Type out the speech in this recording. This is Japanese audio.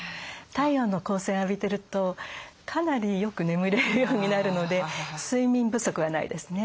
太陽の光線浴びてるとかなりよく眠れるようになるので睡眠不足はないですね。